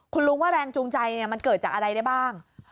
คุณลุงว่าแรงจูงใจมันเกิดจากอะไรได้บ้าง